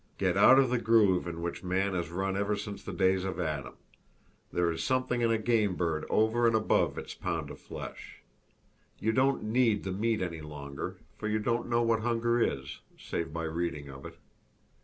Get out of the groove in which man has run ever since the days of Adam! There is something in a game bird over and above its pound of flesh. You don't "need" the meat any longer; for you don't know what hunger is, save by reading of it.